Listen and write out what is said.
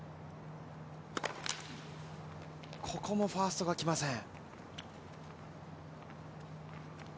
ここもファーストが来ません。